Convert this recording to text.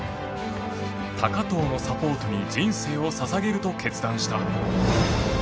高藤のサポートに人生を捧げると決断した。